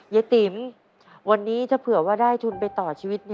ติ๋มวันนี้ถ้าเผื่อว่าได้ทุนไปต่อชีวิต